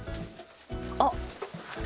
あっ。